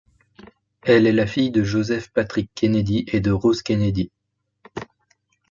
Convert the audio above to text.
Elle est la fille de Joseph Patrick Kennedy et de Rose Kennedy.